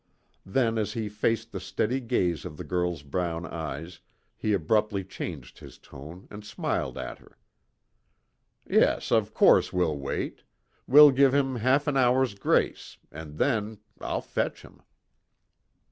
Then, as he faced the steady gaze of the girl's brown eyes, he abruptly changed his tone and smiled at her. "Yes, of course we'll wait. We'll give him half an hour's grace, and then I'll fetch him."